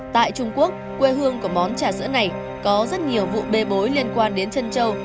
tại trung quốc quê hương của món trà sữa này có rất nhiều vụ bê bối liên quan đến chân châu